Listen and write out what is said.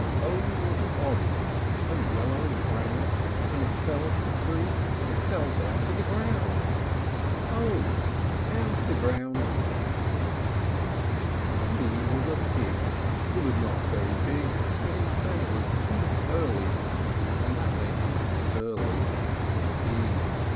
O O was an orange So yellow and round: When it fell off the tree, It fell down to the ground. o! Down to the ground! P P was a pig, Who was not very big; But his tail was too curly, And that made him surly.